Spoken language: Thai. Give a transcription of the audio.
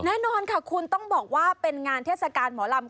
แน่นอนค่ะคุณต้องบอกว่าเป็นงานเทศกาลหมอลำ